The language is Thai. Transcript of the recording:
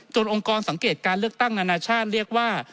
องค์กรสังเกตการเลือกตั้งนานาชาติเรียกว่า